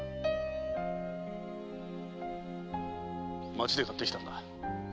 町で買ってきたんだ。